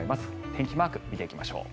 天気マーク見ていきましょう。